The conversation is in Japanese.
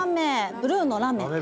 ブルーのラメ。